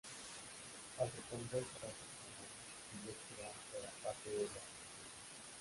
Al reconocer su fracaso, Annan pidió que Irán fuera "parte de la solución".